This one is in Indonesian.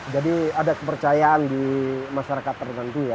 jadi ada kepercayaan di masyarakat tertentu ya